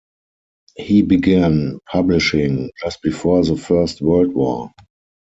He began publishing just before the First World War.